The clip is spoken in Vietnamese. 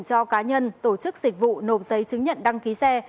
cho cá nhân tổ chức dịch vụ nộp giấy chứng nhận đăng ký xe